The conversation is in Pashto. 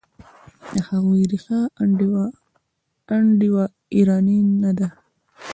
د هغوی ریښه انډوایراني ده.